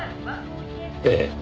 ええ。